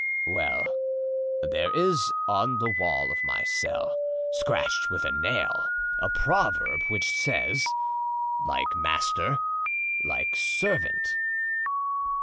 "Well, there is on the wall of my cell, scratched with a nail, a proverb, which says, 'Like master, like servant.